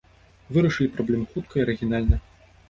Вырашылі праблему хутка і арыгінальна.